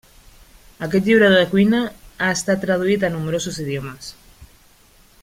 Aquest llibre de cuina ha estat traduït a nombrosos idiomes.